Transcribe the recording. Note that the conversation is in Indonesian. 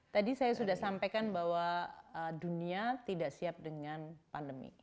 tadi saya sudah sampaikan bahwa dunia tidak siap dengan pandemi